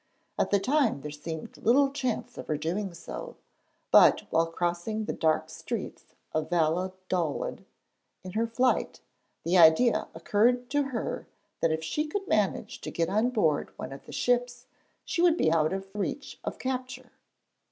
At the time there seemed little chance of her doing so, but while crossing the dark streets of Valladolid in her flight, the idea occurred to her that if she could manage to get on board one of the ships, she would be out of reach of capture.